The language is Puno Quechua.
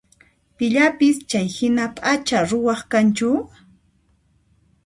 Pillapis chayhina p'acha ruwaq kanchu?